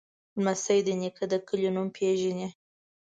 لمسی د نیکه د کلي نوم پیژني.